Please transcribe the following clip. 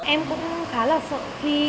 em cũng khá là sợ khi